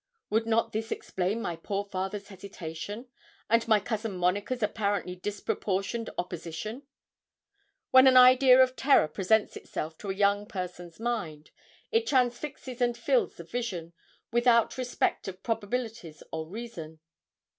Would not this explain my poor father's hesitation, and my cousin Monica's apparently disproportioned opposition? When an idea of terror presents itself to a young person's mind, it transfixes and fills the vision, without respect of probabilities or reason.